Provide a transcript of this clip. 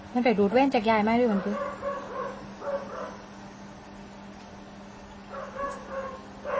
มันไปดูดเว่นจากยายใหม่ด้วยก่อนคือ